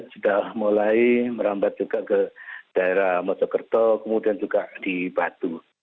sudah mulai merambat juga ke daerah mojokerto kemudian juga di batu